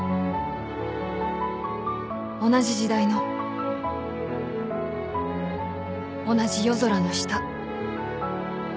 ［同じ時代の同じ夜空の下］